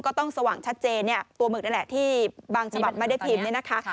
ก็ต้องสว่างชัดเจนตัวหมึกนี่แหละที่บางฉบับไม่ได้พิมพ์นี้นะคะ